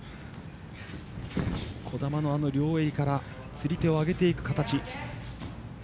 児玉の両襟から釣り手を上げていく形。